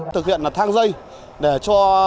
thực hiện là thang dây để cho